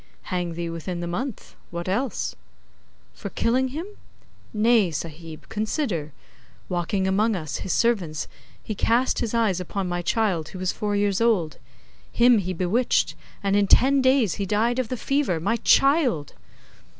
'Hang thee within the month. What else?' 'For killing him? Nay, Sahib, consider. Walking among us, his servants, he cast his eyes upon my child, who was four years old. Him he bewitched, and in ten days he died of the fever my child!